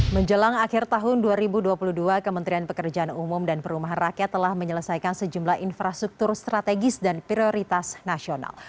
menjelang akhir tahun dua ribu dua puluh dua kementerian pekerjaan umum dan perumahan rakyat telah menyelesaikan sejumlah infrastruktur strategis dan prioritas nasional